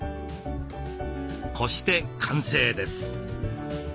こして完成です。